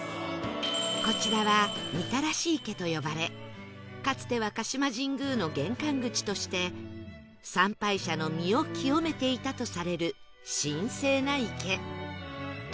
こちらは御手洗池と呼ばれかつては鹿島神宮の玄関口として参拝者の身を清めていたとされる神聖な池